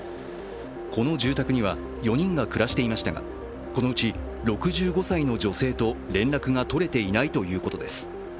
この住宅には４人が暮らしていましたがこのうち６５歳の女性と連絡が取れていないということです。